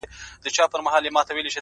• خره به ټوله ورځ په شا وړله بارونه ,